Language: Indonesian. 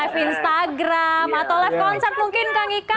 live instagram atau live concert mungkin kang ika